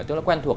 tức là quen thuộc